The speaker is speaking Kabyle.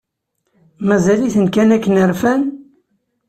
Mazal-iten kan akken rfan?